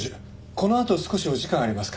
このあと少しお時間ありますか？